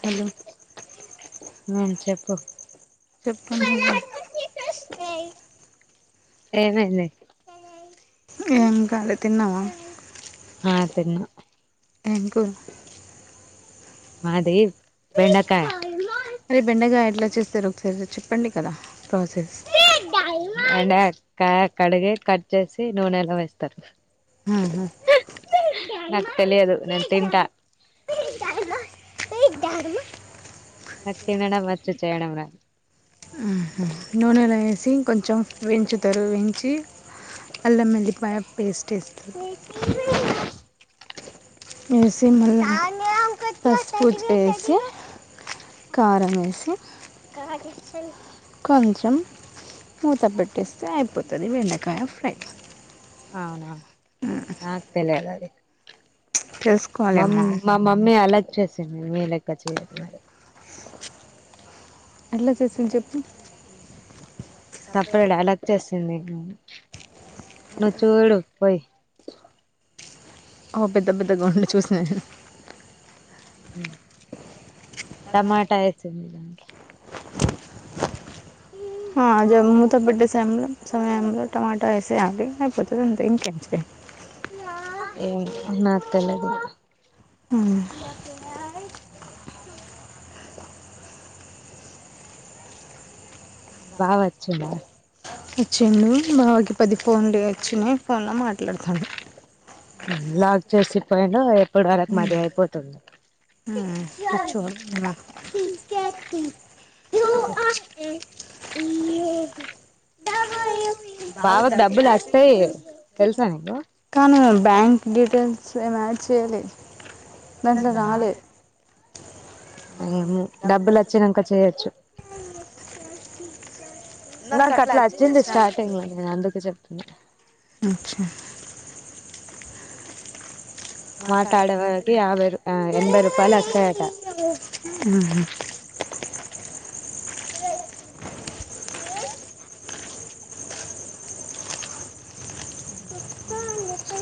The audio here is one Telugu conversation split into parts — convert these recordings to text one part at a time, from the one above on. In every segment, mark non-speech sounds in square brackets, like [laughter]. హలో మ్మ్ చెప్పు, చెప్పు నువ్వే ఏమైంది ఏం కాలే తిన్నావా ఆ తిన్న ఏం కుర్ మాది బెండకాయ ఎట్ల చేస్తరు ఒకసారి చెప్పండి కదా ప్రాసెస్, అంటే అక్క కడిగి కట్ చేసి నూనె లో వేస్తారు ఉహు నాకు తెలియదు నేను తింట [unintelligible] నాకు తినడం వచ్చు, చేయడం రాదు. నూనెలొ యేసి కొంచెం వేయించుతారు వేయించి అల్లం వెల్లిపాయ పేస్ట్ [unintelligible] వేసి మల్ల [unintelligible] కారం వేసి కొంచెం మూత పెట్టేస్తె అయిపోతది బెండకాయ ఫ్రై. అవున నక్ తెలియదు ఆది మమ్ తెలుసుకోవాలమ్మా మా మమ్మి అలాగ్ చేసింది. మీ లెక్క చేయదు మరి, ఎట్లా చేస్తుంది చెప్పు [unintelligible] అలాగ్ చేస్ నవ్వు చూడు పోయి ఓ పెద్ద పెద్దగ [unintelligible] టమాట వేయి [unintelligible] ఆ జమ్ముత బిడ్డ శ్యాంలొ, సమయంలొ టమాట తీసెయ్యాలి అయిపోతది‌. అంతె ఇంకేం [unintelligible] ఏం నాక్ తెలియదులే మ్మ్ బావ వచ్చిండ ఇచ్చిండు. బావ కి పది ఫోన్లు వచ్చినయ్, ఫోన్లొ మాట్లాడుతుండు. లాక్ చేసి పోయిండు, ఎప్పుడు వరకు మాది అయిపోతది. యు ఆర్ కూర్చొ అమ్మ, D K T U are ఏ, ఈ [unintelligible] బావకు డబ్బులు వస్తయ్ తెలుసనీ కాని, బ్యాంక్ డిటెయిల్స్ ఏం యాడ్ చేయ్యెలె దాంట్లొ రాలె ఏం డబ్బుల్ వచ్చినంక చేయెచ్చు. నాకు నాక్ అట్లా అట్ల వచ్చింది. స్టార్టింగ్ స్టాటింగ్ లొ నేన్ అందుకు చెప్తున్న, [unintelligible] మాట్లాడే వరకి యాభై ఎనభై రూపాయలు [unintelligible] వస్తాయట [unintelligible] [unintelligible] చీ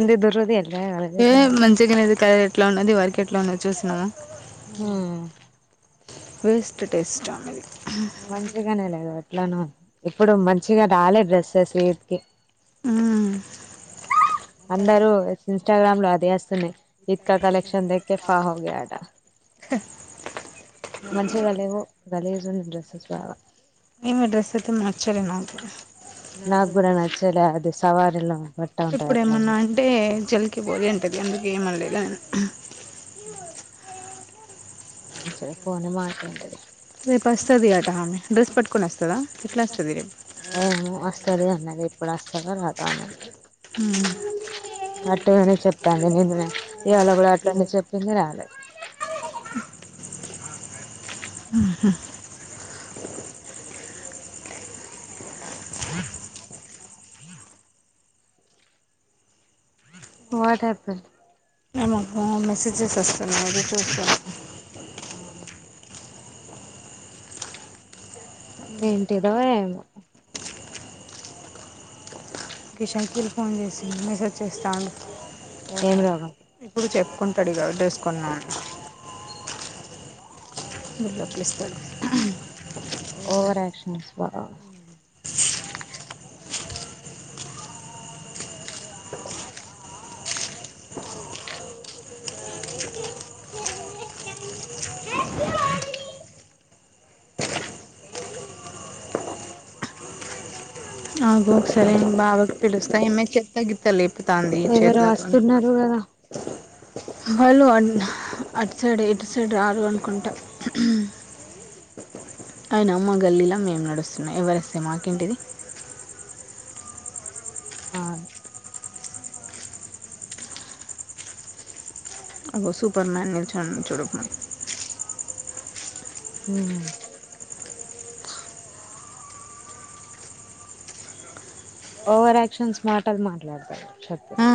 ఉంది దుర్రది ఎట్లా ఏ మంచిగానే లేదు [unintelligible] ఎట్లా ఉన్నది ఇది వరక్ ఎట్లా ఉన్నది చూసినం ఊ వేస్ట్ టెస్టామెది మంచిగానే లేదు ఎట్లానో వుంది ఇప్పుడు మంచిగ రాలే డ్రెస్సెస్ యూత్ కి ఉమ్, అందరూ ఇన్స్టాగ్రామ్ లో అదే అస్తునయ్ ఈద్కా కలెక్షన్ దేకే ఫా హోగయ అట మంచిగా లేవు గలీజ్ ఉన్నయ్ డ్రెస్సస్ బాగా ఏమో డ్రెస్ ఐతే నచ్చలే నాకు నా కూడా నచ్చలే అది సవారిలో ఇప్పుడ ఏమన్నా అంటే జల్కి పోగే అంటది అందుకు ఏమనలేదు నేను హ్హ్ [unintelligible] మంచిగా ఫోన్ ఏ మాటింటది రేపస్తది ఆట ఆమె డ్రెస్ పట్కొన్ అస్ ఏమో అస్తది అన్నది ఎప్పుడు అస్తదో రాదో ఆమే ఊ గట్టిగనే చెప్తాంది నిన్ననే ఇవాళ కూడా అట్లానే చెప్పింది రాలే ఉ ఊహు వాట్ హాప్పెన్ట్ మేము ఏమో మెసేజ్ జేసి వస్తున్నాం అది చూసుకోలేదు ఊ ఏంటిదో ఏమో కిషన్ కిల్ ఫోన్ చేసిండు మెసేజ్ చేస్తాండు ఏం గాదు లే ఇప్పుడు చెప్పుకుంటడు ఇగ డ్రెస్ కొన్న అని ఊహు [unintelligible] ఇస్తడు నిస్వా అగు సరే నేను బావకి పిలిస్తే ఏమ చెత్తగిత్త లేపుతాంది ఎవరో చేతులతోని వస్తున్నారు కదా హలో అన్న అటు సైడు ఇటు సైడు రారు అనుకుంటా అయినా మా గల్లీలా మేం నడుస్తున్నాం ఎవ్వరస్తే మాకేంటిది ఆ అగో సూపర్ మాన్ నిల్చొనునాడు చూడకుమను ఊ ఓవర్ ఆక్షన్స్ మాటల్ మాట్లాడతడు చెప్తే ఆ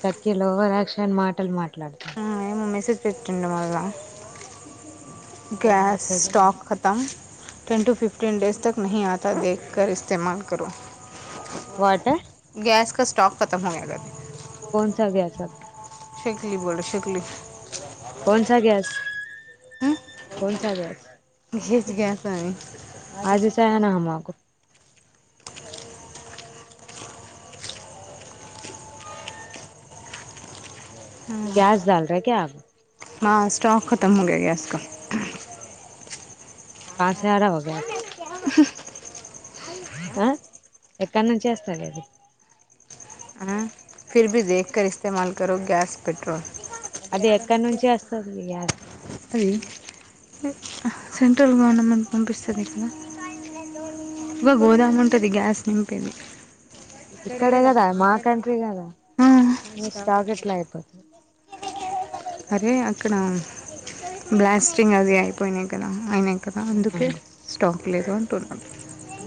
షకీల్ ఓవరాక్షన్ మాటలు మాట్లాడుతడు ఊ మెసేజ్ పెట్టిండు వల్ల ఏం గ్యాస్ మెసేజ్ స్టాక్ కతం టెన్ టూ ఫిఫ్టీన్ డేస్ తక్ నహీ ఆత దేక్ కర్ ఇస్తేమాల్ కరో వాటే స్స్టాక్ కతం హోయెగతి దగ్గు శక్లి బోల్డ్ శక్లి కొన్స గ్యాస్ కొన్స గ్యాస్ ఆజచాహెనా హమ్ ఆప్కో గ్యాస్ డాల్ రే క్యా ఆప్ మా స్టాక్ తమ్ముడే ఏస్కో కాపారావో గ్యాస్ ఆ ఎక్కడి నుంచి అస్తది అది ఫిర్ బీ దేక్ కర్ ఇస్తేమాల కరో గ్యాస్ పెట్రోల్ అది ఎక్కడి నుంచి వస్తది గ్యాస్ అది ఎ సెంట్రల్ గవర్నమెట్ పంపిస్తది కదా గా గోదాము ఉంటది గ్యాస్ నింపేది ఇక్కడే కదా మా కంట్రీ కదా మీ స్టాక్ ఎట్లా అయిప అరే అక్కడ బ్లాస్టింగ్ అది అయిపోయినాయి కదా అయినా కదా అందుకే స్టాక్ లేదు అంటున్నా.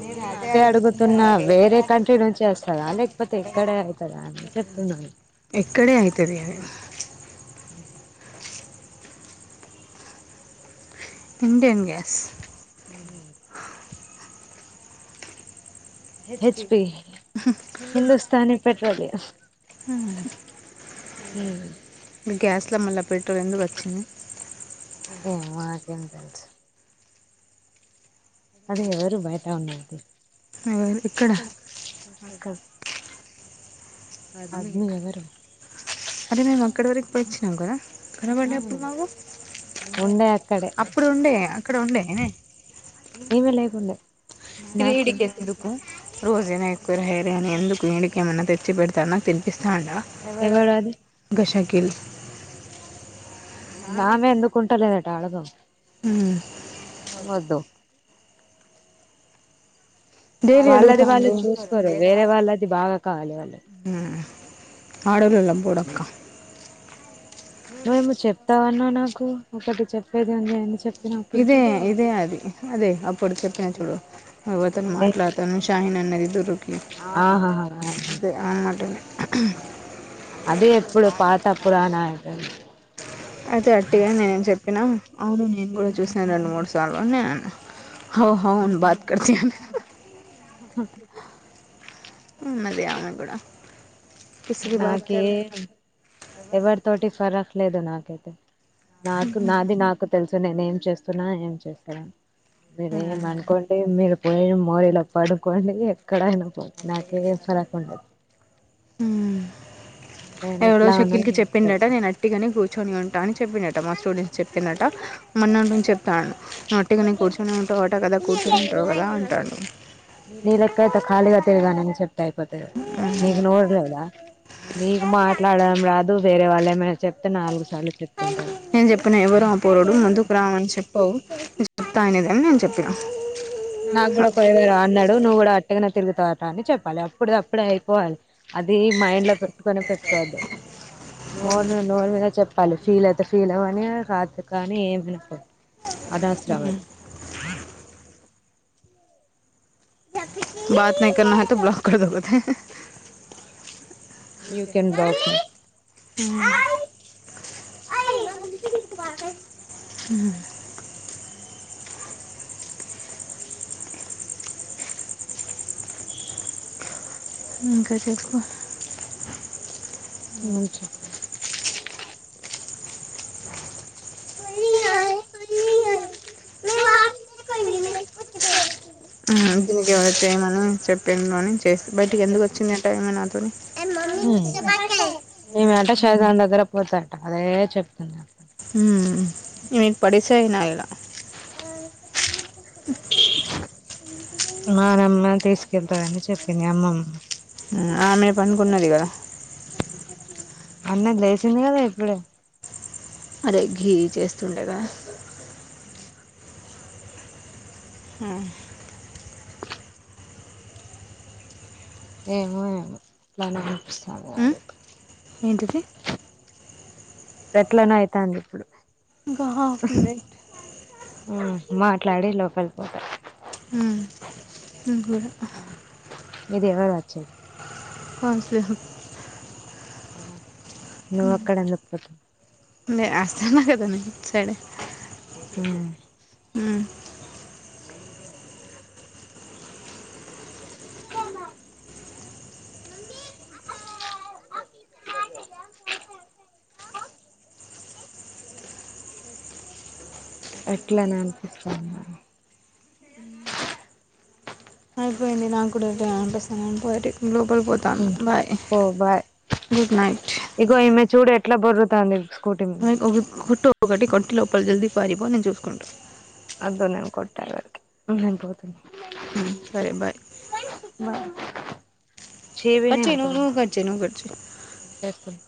నేను అదే అడుగుతున్నా వేరే పార్టీ కంట్రీ నుంచి వస్తదా లేకపోతే ఇక్కడే అయితదా అని చెప్తున్నాను [inaudible] ఇక్కడే అయితది అది ఇండియన్ గ్యాస్ హుమ్ హెచ్ పి హిందుస్థాని పెట్రోలియ హా హుమ్ మీ గ్యాస్ల మళ్ళా పెట్రోల్ ఎందుకు వచ్చింది నాకేం తెలుస్ అది ఎవరు బయటా ఉన్నది ఎవరు ఇక్కడ అక్క ఆద్మీ ఎవరు అరే నేను అక్కడి వరకు పోయచ్చినం కదా కనబడే అప్పుడు అవును మాకు ఉండే అక్కడే అప్పుడు ఉండే అక్కడ ఉండే ఈమె లేకుండే ఇది నాకు ఇడికి ఎందుకు రోజుకు హెయిర్ అని ఎందుకు ఈడిక ఏమన్నా తెచ్చి పెడతాన్న తినిపిస్తాన్న ఎవడు అది కిల్స్ నామే ఎందుకు కుంటలేదట ఆళ్ళది వద్దు దేవి వాళ్ళది వాళ్ళు అడుగుతాంది చూసుకోరు వేరే వాళ్ళది బాగా కావాలి వాళ్ళు ఆడోలోల్ల పోడక్క మేము చెప్తామన్నా నాకు ఒకటి చెప్పేదెంది అని చెప్పి ఇదే ఇదే అది అదే అప్పుడు చెప్పిన చూడు ఒక అతను మాట్లాడుతాను షాహీనా ఆహాహా [unintelligible] అదే ఎప్పుడు పాత పురాణాని అది అట్టిగా నేనే చెప్పినా అవును నేను కూడా చూసాను రెండు మూడు సార్లుని నేను అన్నా హౌ హౌ అన్ బాత్ కర్తే హు హ్మ్ ఉన్నది ఆమె కూడా కిస్కి బాత్ నాకే కర్ ఎవరి తోటి ఫరక్లేదు నాకైతే నాకు నాది నాకు తెలుసు నేను ఏం చేస్తున్నా ఏం చేస్తా మీరేమనుకోండి మీరు పోయి మోరీలో పడుకోండి ఎక్కడైనా నాకేం ఫరక్ ఉండదు హ్మ్ నేను ఎవడో ఎట్లా షకీల్ ఉన్నానో కి నాకు చెప్పిండట తెలుసు నేను అట్టిగానే కూర్చొని ఉం అని చెప్పినట మా స్టూడెంట్స్ చెప్పినట మొన్న నువ్వు చెప్ అంటాడు నువ్వు నొట్టిగాని కూర్చొని ఉంటావట కదా కూర్చొని ఉంటావు కదా అంటాడు నీ లెక్క అయితే ఖాళీగా తిరగనని చెప్తే అయిపోతది నీకు నోరులేదా మీకు మాట్లాడడం రాదు వేరే వాళ్ళేమై నేను చెప్పిన ఎవరు ఆ పోరడు ముందుకు రమ్మని చెప్ ఓ నేనుచెప్తా అనేదాన్ని నేను చెప్పిన నాక్కూడా ఒకడు ఎవడో అన్నాడు నువ్వు కూడా అట్టిగనే తిరుగుతావ్ అట అని చెప్పలె అప్పుడుది అప్పుడే అయిపోవాలి అది మైండ్ లో పెట్టుకోనే పెట్టుకోవద్దు. నోరు మీద నోరు మీద చెప్పాలి ఫీల్ అయితే ఫీల్ అవని కాతే కానీ ఏమైనా కా ఓ అనవసరం అది బాత నై కర్నా హైతో బ్లాక్కర్దో బోల్తే యూ కెన్ బ్లాక్ హ్ము ఊ ఇంకా చెప్పు ఏం చెప్పాలి మ మా కే మ ఆ కిందికి ఎవరై వచ్చెయ్మనూ చెప్పేయిమని బయటికి ఎందుకు వచ్చింది అంట ఆమె నాతోని ఊ ఈమెనంట షైజాన్ దగ్గర పోతదంట అదే చెప్తుంది నాతో. హ్మ్ ఈమేక్ పడిచెయ్ నా ఇలా మానమ్మ తీసుకెళ్తదని చెప్పింది అమ్మమ్మ. ఆ ఆమె పనుకున్నది గదా ఫన్నద్ లేచింది గదా ఇప్పుడే. అదే ఘీ చేస్తుండగా హ్మ్ ఏమో ఏమో అట్లానే వినిపిస్తాది [unintelligible] ఏంటిది ఎట్లనో అయితాంది ఇప్పుడు. ఇంకా హాఫ్ మినట్ మాట్లాడే లోపల్కి పోతా ఊ నీక్గూడ నీది ఎవరు వచ్చేది పాంచ్ [unintelligible] అవునా నువ్ అక్కడ ఎందుకుపోతునవ్ ఉండే అస్తానా గద నేను అట్సైడే అవునా ఆా ఎట్లనో అనిపిస్తాంది నాక్ ది నాక్గూడా ఎట్లనో అనిపిస్తాంది అని బయటిక్ లోప్ ఊ ఓ బాయ్. గుడ్ నైట్ ఇగో ఈమె చూడు ఎట్లా బొర్రుతాంది స్కూటీ మీద హాయ్ ఒకట్ ఒకటో ఒకటి కొట్టి లోపల్ జల్దీ పారిపో నేన్ చూసుకుంటా. అద్దు నేన్ కొట్టలేను. నేన్ పోతున్నా ఊ సరే బాయ్ బాయ్. ఛెయ్యి కట్ మీదనే చేయి నువ్వు కొడుతం నువ్వు ఆగు. కట్ చేయి నువ్వు కట్ చేయి ఏం చేస్తున్